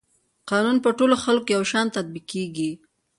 قانون په ټولو خلکو یو شان تطبیقیږي.